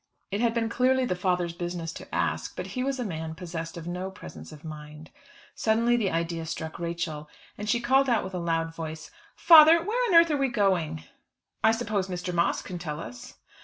It had been clearly the father's business to ask; but he was a man possessed of no presence of mind. Suddenly the idea struck Rachel, and she called out with a loud voice, "Father, where on earth are we going?" "I suppose Mr. Moss can tell us."